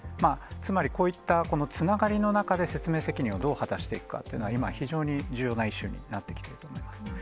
つまりこういったつながりの中で説明責任をどう果たしていくかというのは、今、非常に重要なイシューになってきてます。